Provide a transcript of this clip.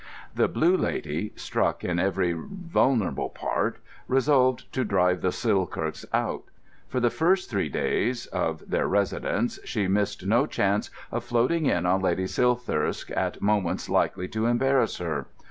The Blue Lady, struck in every vulnerable part, resolved to drive the Silthirsks out. For the first three days of their residence she missed no chance of floating in on Lady Silthirsk at moments likely to embarrass her.